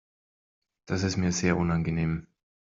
Das ist mir sehr unangenehm.